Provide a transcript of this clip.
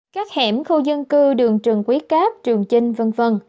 các hẻm khu dân cư đường trường quý cáp trường chinh v v